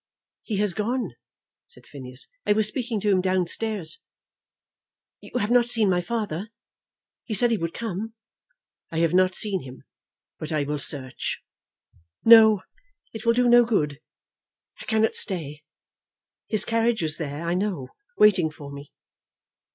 "He has gone," said Phineas. "I was speaking to him downstairs." "You have not seen my father? He said he would come." "I have not seen him, but I will search." "No; it will do no good. I cannot stay. His carriage is there, I know, waiting for me."